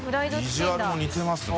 ビジュアルも似てますね。